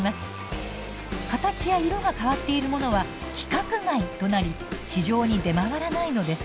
形や色が変わっているものは「規格外」となり市場に出回らないのです。